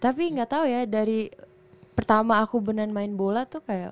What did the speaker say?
tapi gak tau ya dari pertama aku benen main bola tuh kayak